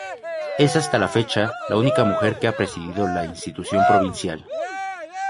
Es hasta la fecha la única mujer que ha presidido la institución provincial.